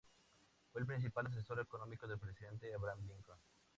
Fue el principal asesor económico del presidente Abraham Lincoln.